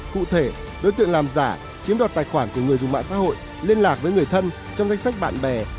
cụ thể đối tượng làm giả chiếm đoạt tài khoản của người dùng mạng xã hội liên lạc với người thân trong danh sách bạn bè